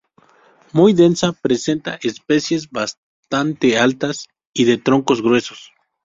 Muy densa, presenta especies bastante altas y de troncos gruesos.